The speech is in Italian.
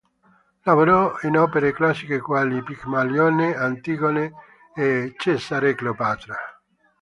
Lavorò in opere classiche quali "Pigmalione", "Antigone" e "Cesare e Cleopatra".